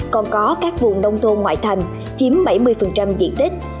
còn có các vùng nông thôn ngoại thành chiếm bảy mươi diện tích